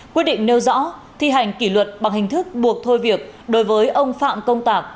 quyết định nêu rõ thi hành kỷ luật bằng hình thức buộc thôi việc đối với ông phạm công tạc